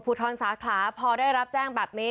ปพูทรศาสตร์ขาพอได้รับแจ้งแบบนี้